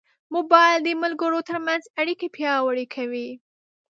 موبایل د ملګرو ترمنځ اړیکې پیاوړې کوي.